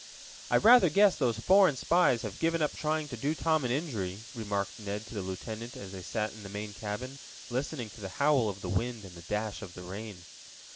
"I rather guess those foreign spies have given up trying to do Tom an injury," remarked Ned to the lieutenant as they sat in the main cabin, listening to the howl of the wind, and the dash of the rain.